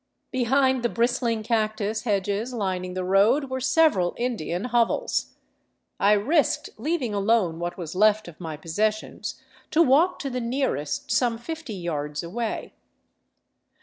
Behind the bristling cactus hedges lining the road were several Indian hovels. I risked leaving alone what was left of my possessions to walk to the nearest, some fifty yards away.